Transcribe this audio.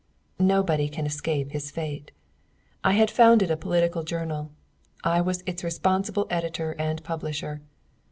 Nobody can escape his fate. I had founded a political journal. I was its responsible editor and publisher.